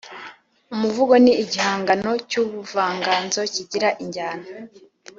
Umuvugo ni igihangano cy’ubuvanganzo kigira injyana